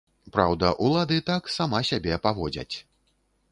Праўда, улады так сама сябе паводзяць.